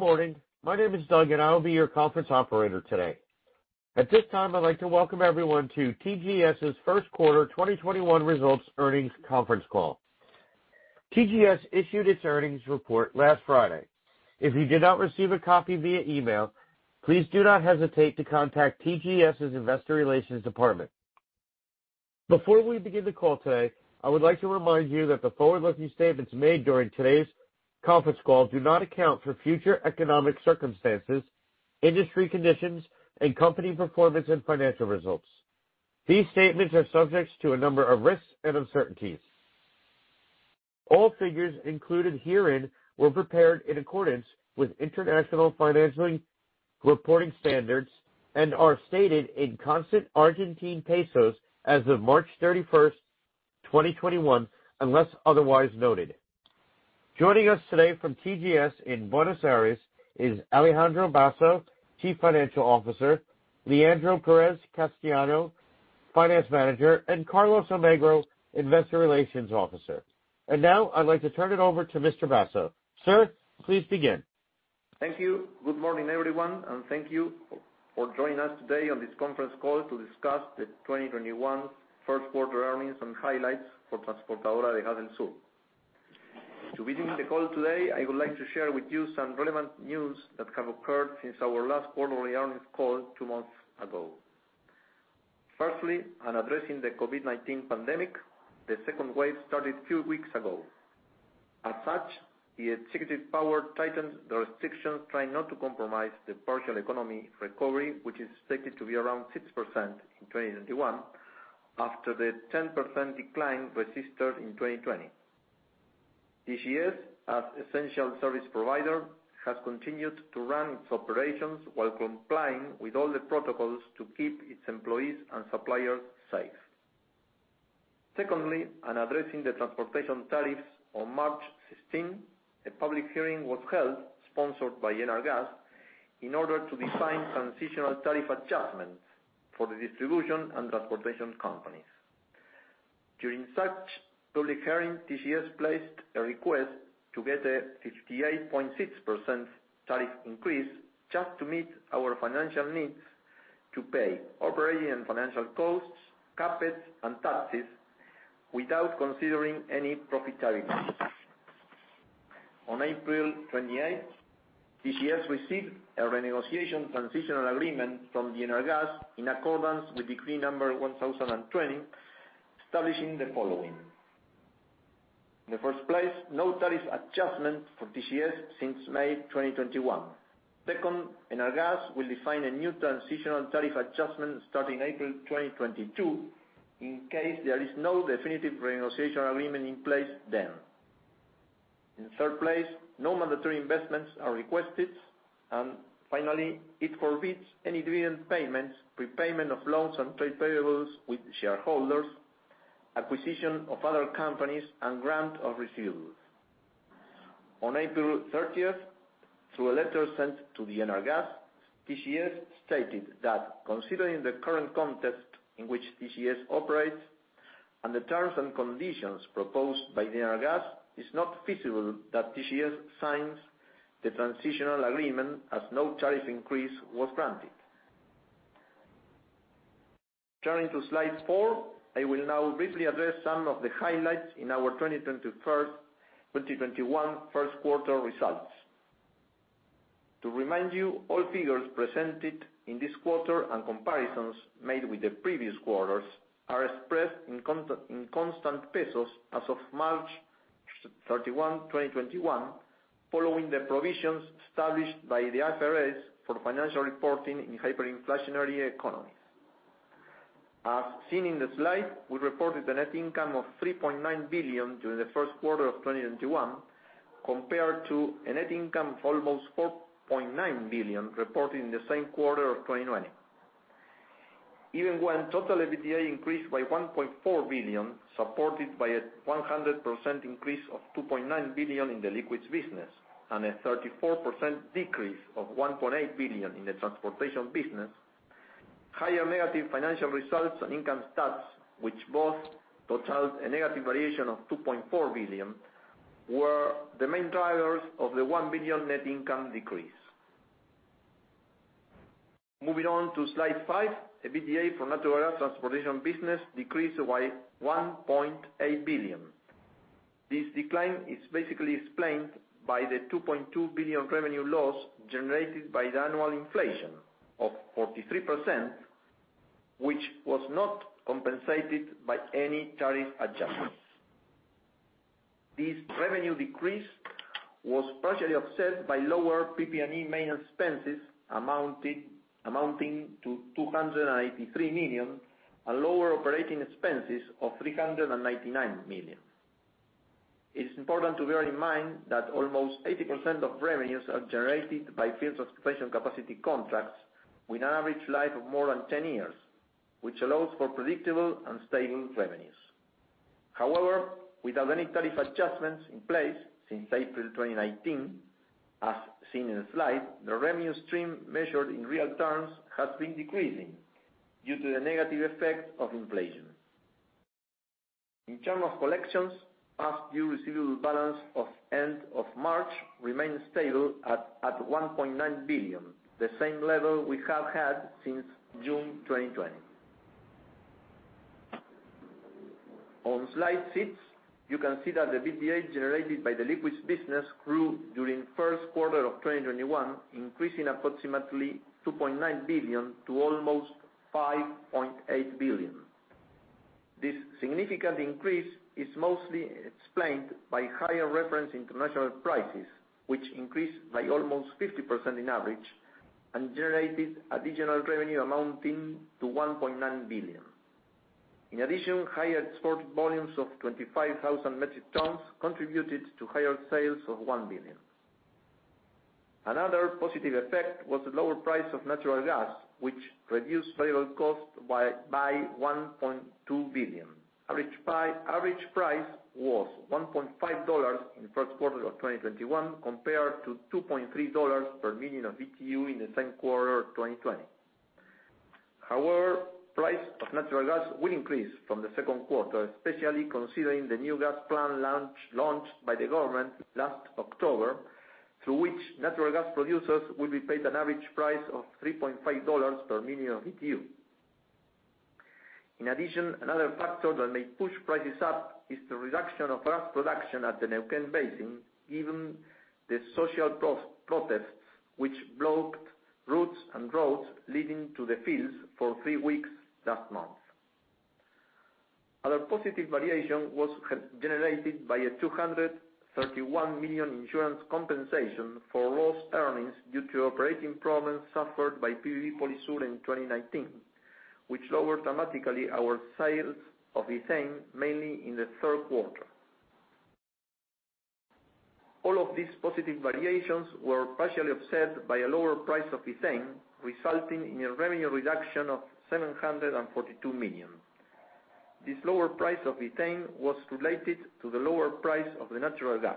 Good morning. My name is Doug, and I will be your conference operator today. At this time, I'd like to welcome everyone to TGS's first quarter 2021 results earnings conference call. TGS issued its earnings report last Friday. If you did not receive a copy via email, please do not hesitate to contact TGS's investor relations department. Before we begin the call today, I would like to remind you that the forward-looking statements made during today's conference call do not account for future economic circumstances, industry conditions, and company performance and financial results. These statements are subject to a number of risks and uncertainties. All figures included herein were prepared in accordance with International Financial Reporting Standards and are stated in constant Argentine pesos as of March 31st, 2021, unless otherwise noted. Joining us today from TGS in Buenos Aires is Alejandro Basso, Chief Financial Officer, Leandro Pérez Castaño, Finance Manager, and Carlos Almagro, Investor Relations Officer. Now I'd like to turn it over to Mr. Basso. Sir, please begin. Thank you. Good morning, everyone, and thank you for joining us today on this conference call to discuss the 2021 first quarter earnings and highlights for Transportadora de Gas del Sur. To begin the call today, I would like to share with you some relevant news that have occurred since our last quarterly earnings call two months ago. Firstly, on addressing the COVID-19 pandemic, the second wave started a few weeks ago. As such, the executive power tightened the restrictions, trying not to compromise the partial economy recovery, which is expected to be around 6% in 2021 after the 10% decline registered in 2020. TGS, as essential service provider, has continued to run its operations while complying with all the protocols to keep its employees and suppliers safe. Secondly, on addressing the transportation tariffs on March 16, a public hearing was held, sponsored by ENARGAS, in order to define transitional tariff adjustments for the distribution and transportation companies. During such public hearing, TGS placed a request to get a 68.6% tariff increase just to meet our financial needs to pay operating and financial costs, CapEx, and taxes without considering any profit tariff increases. On April 28th, TGS received a renegotiation transitional agreement from the ENARGAS in accordance with Decree number 1,020, establishing the following. In the first place, no tariff adjustment for TGS since May 2021. Second, ENARGAS will define a new transitional tariff adjustment starting April 2022, in case there is no definitive renegotiation agreement in place then. In third place, no mandatory investments are requested, and finally, it forbids any dividend payments, prepayment of loans and trade payables with shareholders, acquisition of other companies, and grant of receivables. On April 30th, through a letter sent to the ENARGAS, TGS stated that considering the current context in which TGS operates and the terms and conditions proposed by the ENARGAS, is not feasible that TGS signs the transitional agreement, as no tariff increase was granted. Turning to slide four, I will now briefly address some of the highlights in our 2021 first quarter results. To remind you, all figures presented in this quarter and comparisons made with the previous quarters are expressed in constant pesos as of March 31, 2021, following the provisions established by the IFRS for financial reporting in hyperinflationary economies. As seen in the slide, we reported a net income of 3.9 billion during the first quarter of 2021, compared to a net income of almost 4.9 billion reported in the same quarter of 2020. Even when total EBITDA increased by 1.4 billion, supported by a 100% increase of 2.9 billion in the liquids business and a 34% decrease of 1.8 billion in the transportation business, higher negative financial results on income tax, which both totaled a negative variation of 2.4 billion, were the main drivers of the 1 billion net income decrease. Moving on to slide five, EBITDA for natural gas transportation business decreased by 1.8 billion. This decline is basically explained by the 2.2 billion revenue loss generated by the annual inflation of 43%, which was not compensated by any tariff adjustments. This revenue decrease was partially offset by lower PP&E maintenance expenses amounting to 283 million and lower operating expenses of 399 million. It is important to bear in mind that almost 80% of revenues are generated by field transportation capacity contracts with an average life of more than 10 years, which allows for predictable and stable revenues. However, without any tariff adjustments in place since April 2019, as seen in the slide, the revenue stream measured in real terms has been decreasing due to the negative effect of inflation. In terms of collections, past due receivable balance of end of March remained stable at 1.9 billion, the same level we have had since June 2020. On slide six, you can see that the EBITDA generated by the liquids business grew during first quarter of 2021, increasing approximately 2.9 billion to almost 5.8 billion. This significant increase is mostly explained by higher reference international prices, which increased by almost 50% on average and generated additional revenue amounting to $1.9 billion. In addition, higher export volumes of 25,000 metric tons contributed to higher sales of $1 billion. Another positive effect was the lower price of natural gas, which reduced variable cost by $1.2 billion. Average price was $1.5 in the first quarter of 2021, compared to $2.3 per million of BTU in the same quarter of 2020. However, price of natural gas will increase from the second quarter, especially considering the new Gas Plan launched by the government last October, through which natural gas producers will be paid an average price of $3.5 per million of BTU. Another factor that may push prices up is the reduction of gas production at the Neuquén Basin, given the social protests, which blocked routes and roads leading to the fields for three weeks last month. Other positive variation was generated by a 231 million insurance compensation for lost earnings due to operating problems suffered by PBB Polisur in 2019, which lowered dramatically our sales of ethane, mainly in the third quarter. All of these positive variations were partially offset by a lower price of ethane, resulting in a revenue reduction of 742 million. This lower price of ethane was related to the lower price of the natural gas.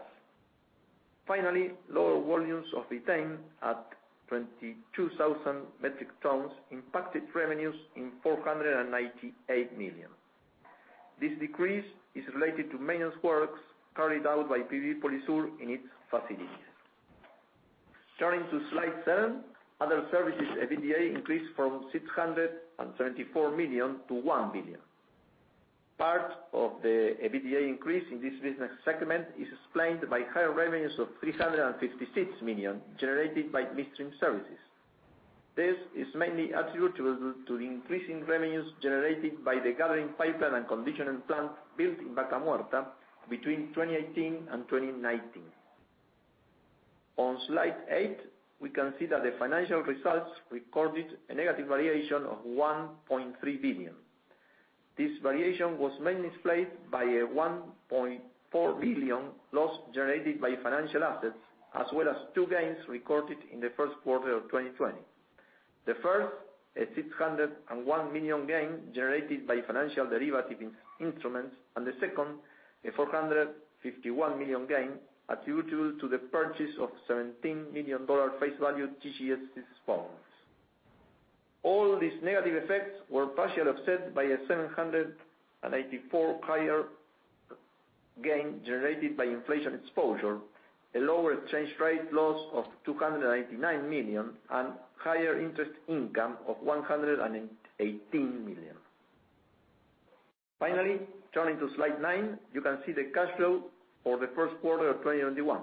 Lower volumes of ethane at 22,000 metric tons impacted revenues in 498 million. This decrease is related to maintenance works carried out by PBB Polisur in its facilities. Turning to slide seven, other services EBITDA increased from 674 million to 1 billion. Part of the EBITDA increase in this business segment is explained by higher revenues of 356 million generated by midstream services. This is mainly attributable to the increase in revenues generated by the gathering pipeline and conditioning plant built in Vaca Muerta between 2018 and 2019. On slide eight, we can see that the financial results recorded a negative variation of 1.3 billion. This variation was mainly explained by a 1.4 billion loss generated by financial assets, as well as two gains recorded in the first quarter of 2020. The first, a 601 million gain generated by financial derivative instruments, and the second, a 451 million gain attributable to the purchase of $17 million face value TGS bonds. All these negative effects were partially offset by an 784 higher gain generated by inflation exposure, a lower exchange rate loss of 299 million, and higher interest income of 118 million. Finally, turning to slide nine, you can see the cash flow for the first quarter of 2021.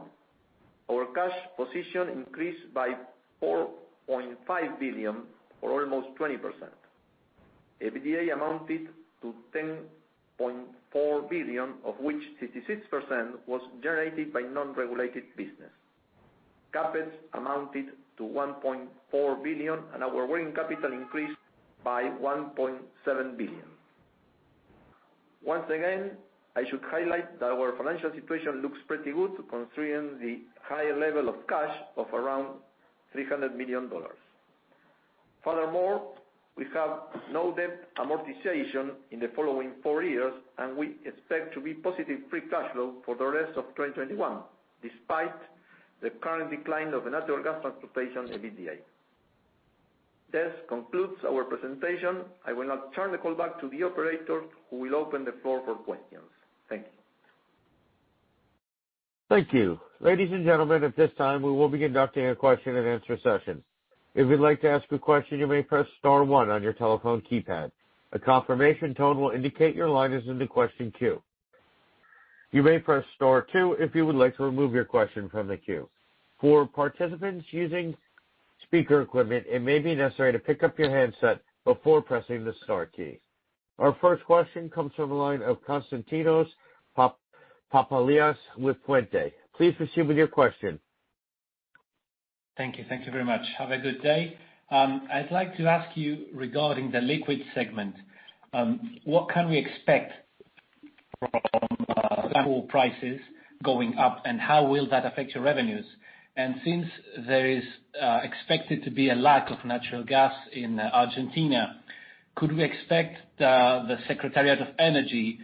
Our cash position increased by 4.5 billion or almost 20%. EBITDA amounted to 10.4 billion, of which 66% was generated by non-regulated business. CapEx amounted to 1.4 billion and our working capital increased by 1.7 billion. Once again, I should highlight that our financial situation looks pretty good considering the high level of cash of around $300 million. Furthermore, we have no debt amortization in the following four years, and we expect to be positive free cash flow for the rest of 2021, despite the current decline of the natural gas transportation EBITDA. This concludes our presentation. I will now turn the call back to the operator, who will open the floor for questions. Thank you. Thank you. Ladies and gentlemen, at this time, we will be conducting a question and answer session. If you'd like to ask a question, you may press star one on your telephone keypad. A confirmation tone will indicate your line is in the question queue. You may press star two if you would like to remove your question from the queue. For participants using speaker equipment, it may be necessary to pick up your handset before pressing the star key. Our first question comes from the line of Konstantinos Papalias with PUENTE. Please proceed with your question. Thank you. Thank you very much. Have a good day. I'd like to ask you regarding the liquid segment, what can we expect from the oil prices going up, and how will that affect your revenues? Since there is expected to be a lack of natural gas in Argentina, could we expect the Secretariat of Energy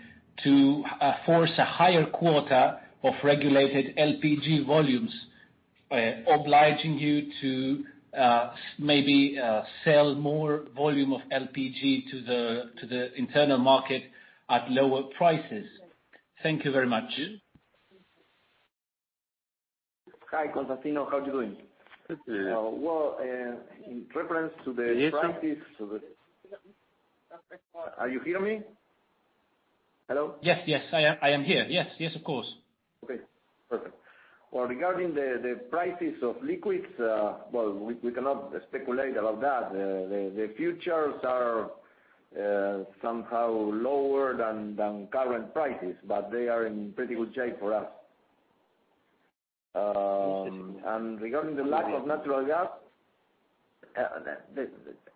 to force a higher quota of regulated LPG volumes? Obliging you to maybe sell more volume of LPG to the internal market at lower prices. Thank you very much. Hi, Konstantino. How are you doing? Good. Well, in reference to the prices. Are you hearing me? Hello? Yes, I am here. Yes, of course. Okay. Perfect. Well, regarding the prices of liquids, we cannot speculate about that. The futures are somehow lower than current prices, but they are in pretty good shape for us. Regarding the lack of natural gas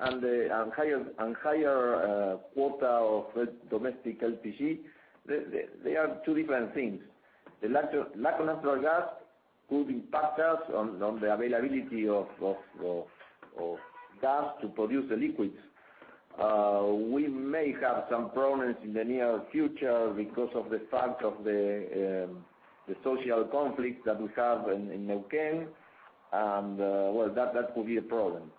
and higher quota of domestic LPG, they are two different things. The lack of natural gas could impact us on the availability of gas to produce the liquids. We may have some problems in the near future because of the fact of the social conflict that we have in Neuquén, and well, that could be a problem.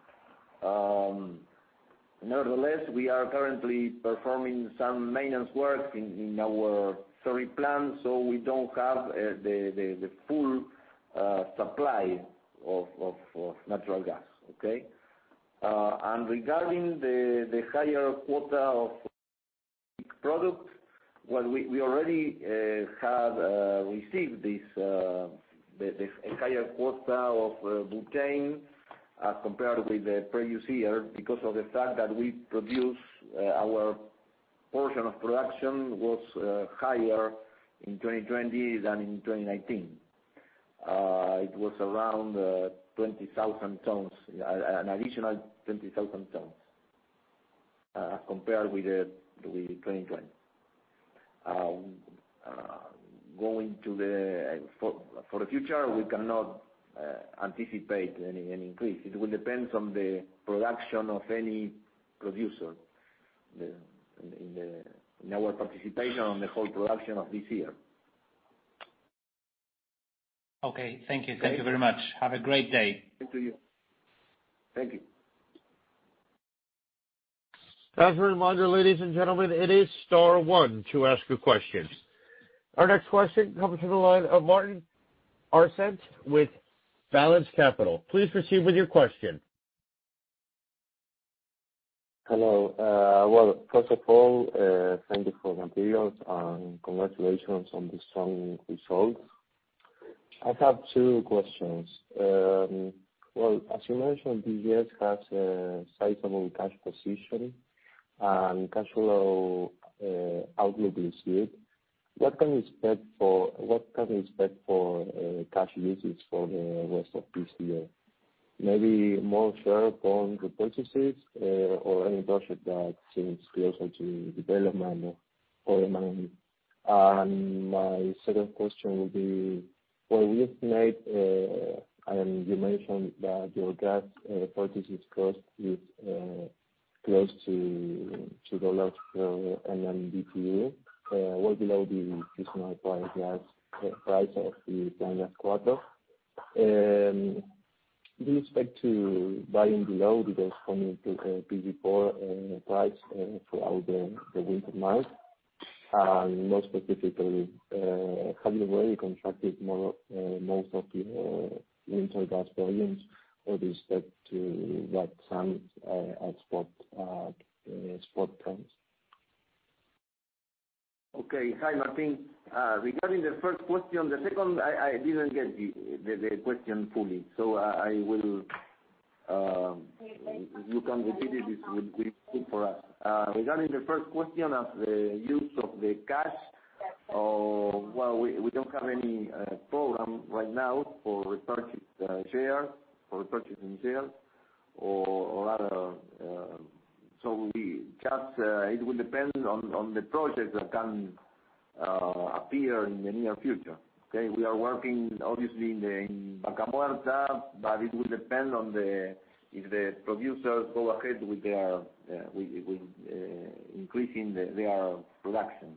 Nevertheless, we are currently performing some maintenance work in our three plants, so we don't have the full supply of natural gas. Okay? Regarding the higher quota of products, well, we already have received this higher quota of butane compared with the previous year because of the fact that our portion of production was higher in 2020 than in 2019. It was around an additional 20,000 tons compared with 2020. For the future, we cannot anticipate any increase. It will depend on the production of any producer in our participation on the whole production of this year. Okay. Thank you very much. Have a great day. Thank you. As a reminder, ladies and gentlemen, it is star one to ask a question. Our next question comes to the line of Martín Arancet with Balanz Capital. Please proceed with your question. Hello. Well, first of all, thank you for the materials, and congratulations on the strong results. I have two questions. Well, as you mentioned, TGS has a sizable cash position and cash flow outlook this year. What can we expect for cash usage for the rest of this year, maybe more share bond repurchases or any project that seems closer to development or M&A? My second question will be, you mentioned that your gas purchases cost is close to ARS 2 for MMBtu, well below the seasonal price of the Plan Gas Cuatro. Do you expect to buy in below the Plan Gas 4 price throughout the winter months? More specifically, have you already contracted most of your winter gas volumes, or do you expect to get some at spot price? Okay. Hi, Martín. Regarding the first question, the second, I didn't get the question fully. You can repeat it would be good for us. Regarding the first question of the use of the cash, well, we don't have any program right now for repurchase and sale. It will depend on the projects that can appear in the near future. Okay? We are working obviously in Vaca Muerta, but it will depend on if the producers go ahead with increasing their production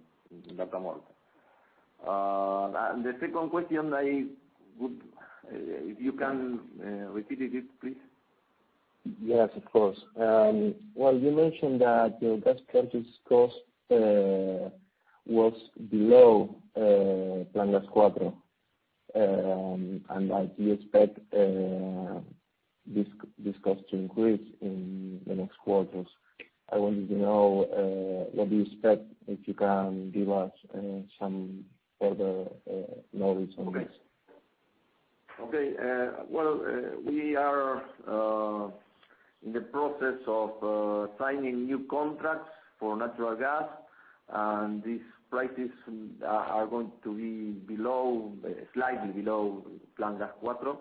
in Vaca Muerta. The second question, if you can repeat it, please. Yes, of course. Well, you mentioned that your gas purchase cost was below Plan Gas Cuatro, and that you expect this cost to increase in the next quarters. I wanted to know what do you expect, if you can give us some further knowledge on this? Okay. Well, we are in the process of signing new contracts for natural gas. These prices are going to be slightly below Plan Gas Cuatro.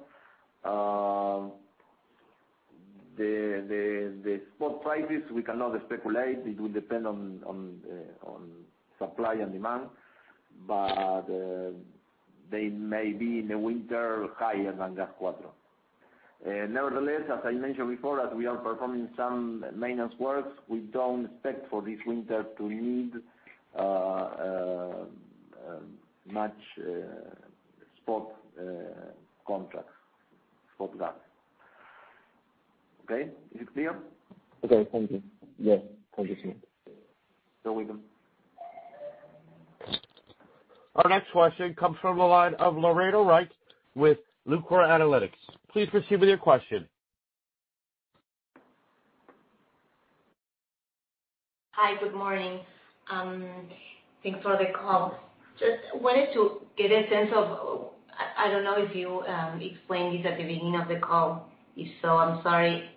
The spot prices, we cannot speculate. It will depend on supply and demand, but they may be in the winter higher than Gas Cuatro. Nevertheless, as I mentioned before, as we are performing some maintenance works, we don't expect for this winter to need much spot contracts, spot gas. Okay? Is it clear? Okay, thank you. Yes. Thank you, senor. You're welcome. Our next question comes from the line of Lorena Reich with Lucror Analytics. Please proceed with your question. Hi. Good morning. Thanks for the call. Just wanted to get a sense of, I don't know if you explained this at the beginning of the call. If so, I'm sorry.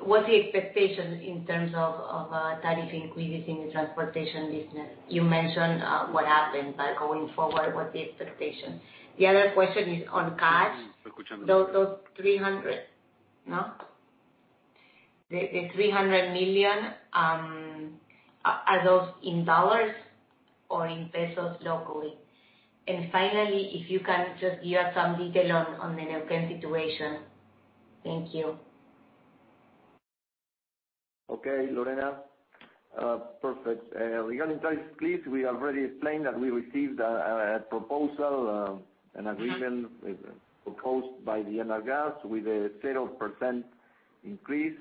What's the expectation in terms of a tariff increase in the transportation business? You mentioned what happened, but going forward, what's the expectation? The other question is on cash. Those 300, no? The 300 million, are those in dollars or in pesos locally? Finally, if you can just give some detail on the Neuquén situation. Thank you. Okay, Lorena. Perfect. Regarding price increase, we have already explained that we received a proposal, an agreement proposed by the ENARGAS with a 0% increase.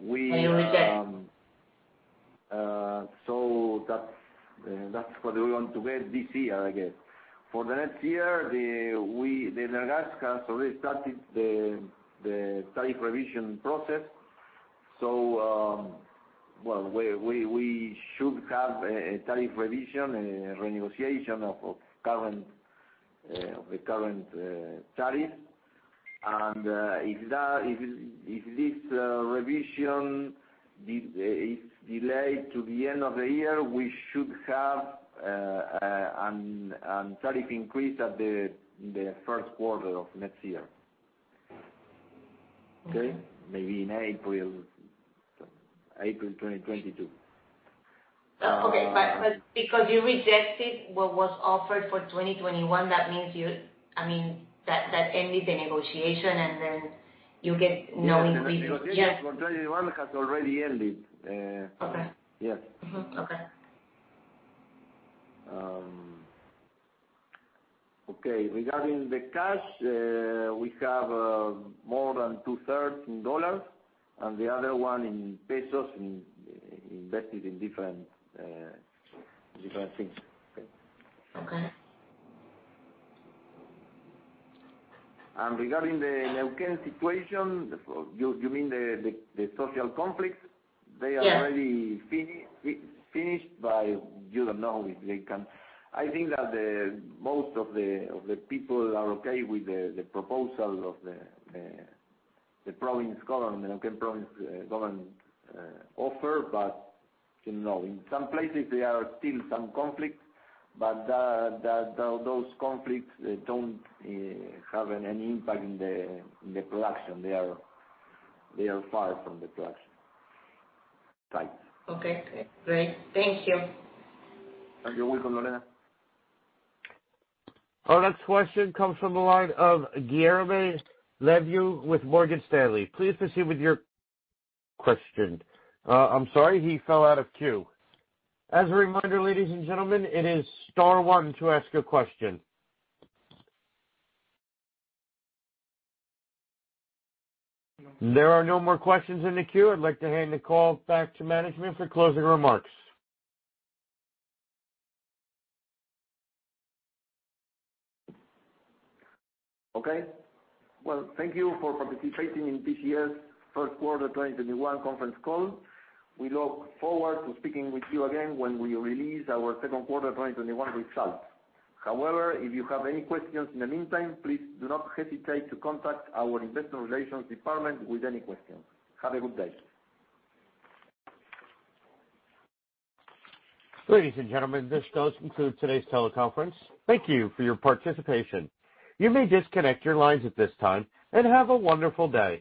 You reject. That's what we want to get this year, I guess. For the next year, the ENARGAS has already started the tariff revision process. Well, we should have a tariff revision, renegotiation of the current tariff. If this revision is delayed to the end of the year, we should have a tariff increase at the first quarter of next year. Okay. Maybe in April 2022. Okay. Because you rejected what was offered for 2021, that means that ended the negotiation, and then you get no increase. Yes, the negotiation for 2021 has already ended. Okay. Yes. Mm-hmm. Okay. Okay. Regarding the cash, we have more than 2/3 in dollars and the other one in pesos, invested in different things. Okay. Okay. Regarding the Neuquén situation, you mean the social conflicts? Yes. They are already finished, I think that most of the people are okay with the proposal of the province government, Neuquén province government offer. In some places there are still some conflicts, but those conflicts don't have any impact on the production. They are far from the production sites. Okay, great. Thank you. You're welcome, Lorena. Our next question comes from the line of Guilherme Levy with Morgan Stanley. Please proceed with your question. I'm sorry, he fell out of queue. As a reminder, ladies and gentlemen, it is star one to ask a question. There are no more questions in the queue. I'd like to hand the call back to management for closing remarks. Okay. Well, thank you for participating in TGS' first quarter 2021 conference call. We look forward to speaking with you again when we release our second quarter 2021 results. However, if you have any questions in the meantime, please do not hesitate to contact our investor relations department with any questions. Have a good day. Ladies and gentlemen, this does conclude today's teleconference. Thank you for your participation. You may disconnect your lines at this time, and have a wonderful day.